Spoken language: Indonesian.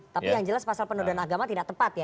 tapi yang jelas pasal penodaan agama tidak tepat ya